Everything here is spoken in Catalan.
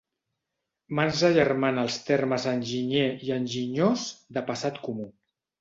Mans agermana els termes enginyer i enginyós, de passat comú.